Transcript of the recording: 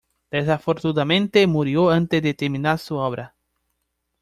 Desafortunadamente murió antes de terminar su obra.